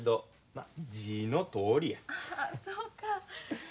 ああそうか。